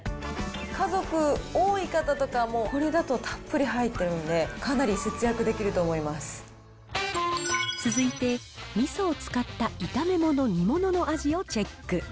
家族多い方とか、これだとたっぷり入ってるんで、かなり節約でき続いて、みそを使った炒め物、煮物の味をチェック。